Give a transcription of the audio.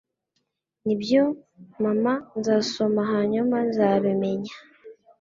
Nibyo, mama, nzasoma hanyuma nzabimenya.